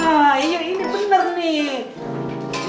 wah iya ini bener nih